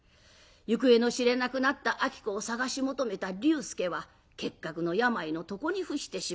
行方の知れなくなった子を捜し求めた龍介は結核の病の床に伏してしまいます。